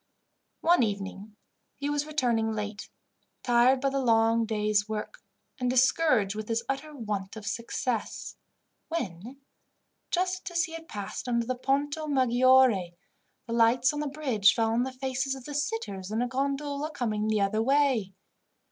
One evening he was returning late, tired by the long day's work, and discouraged with his utter want of success, when, just as he had passed under the Ponto Maggiore, the lights on the bridge fell on the faces of the sitters in a gondola coming the other way.